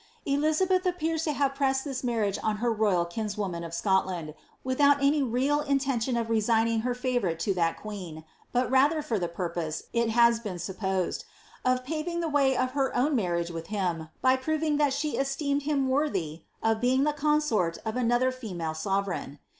"' Elizabeth appears to have pressed this marriage on her royal kins woman of Scotland, without any real intention of resigning her favour ite to that queen, but rather for the purpose, it has been supposed, of paving the way for her own marriage with him, by having proved that she esteemed him worthy of being the consort of another female sove reign.